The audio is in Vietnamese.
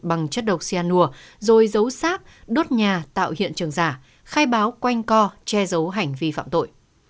bằng chất độc xe nua rồi giấu xác đốt nhà tạo hiện trường giả khai báo quanh co che giấu hành vi phạm tội